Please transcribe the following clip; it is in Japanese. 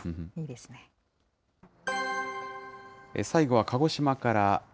最後は鹿児島から。